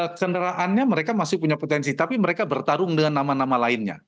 kecenderaannya mereka masih punya potensi tapi mereka bertarung dengan nama nama lainnya